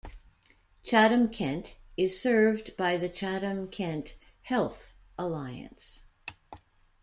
Chatham-Kent is served by the Chatham-Kent Health Alliance.